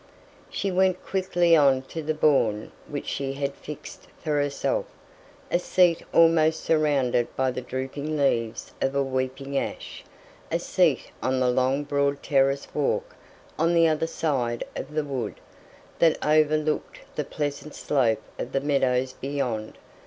She went quickly on to the bourne which she had fixed for herself a seat almost surrounded by the drooping leaves of a weeping ash a seat on the long broad terrace walk on the other side of the wood, that overlooked the pleasant slope of the meadows beyond.